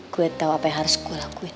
gue tahu apa yang harus gue lakuin